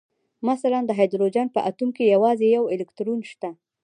مثلاً د هایدروجن په اتوم کې یوازې یو الکترون شته